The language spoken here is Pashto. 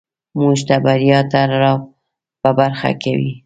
موږ ته بریا نه راپه برخه کوي.